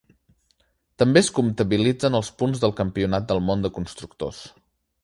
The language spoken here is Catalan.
També es comptabilitzen els punts pel Campionat del món de constructors.